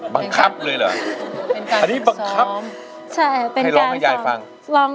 บังคับเลยเหรออันนี้บังคับให้ร้องให้ยายฟัง